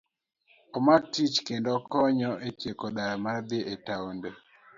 Mag tich kendo okonyo e tieko dar mar dhi e taonde